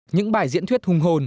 những bài diễn thuyết hùng hồn